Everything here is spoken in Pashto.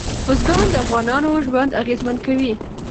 بزګان د افغانانو ژوند اغېزمن کوي.